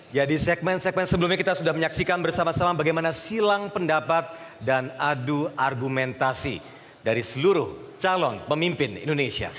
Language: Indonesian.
ya di segmen segmen sebelumnya kita sudah menyaksikan bersama sama bagaimana silang pendapat dan adu argumentasi dari seluruh calon pemimpin indonesia